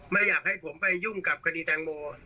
ไม่อยากให้ผมไปยุ่งกับคดีแตงโม